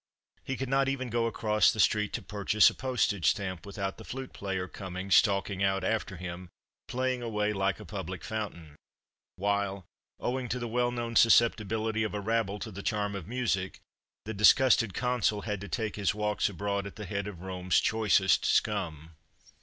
He could not even go across the street to purchase a postage stamp without the flute player coming stalking out after him, playing away like a public fountain; while, owing to the well known susceptibility of a rabble to the charm of music, the disgusted Consul had to take his walks abroad at the head of Rome's choicest scum.